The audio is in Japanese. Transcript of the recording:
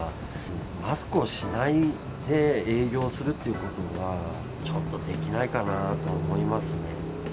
マスクをしないで営業するっていうことは、ちょっとできないかなと思いますね。